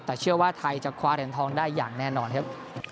แต่เชื่อว่าไทยจะคว้าเหรียญทองได้อย่างแน่นอนครับ